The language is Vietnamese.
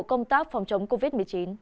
công tác phòng chống covid một mươi chín